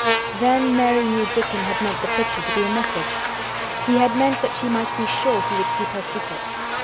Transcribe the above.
Then Mary knew Dickon had meant the picture to be a message. He had meant that she might be sure he would keep her secret.